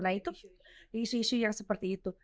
nah itu isu isu yang seperti itu